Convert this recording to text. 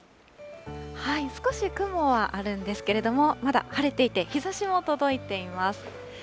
少し雲はあるんですけれども、まだ晴れていて、日ざしも届いています。